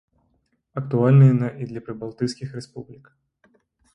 Актуальна яна і для прыбалтыйскіх рэспублік.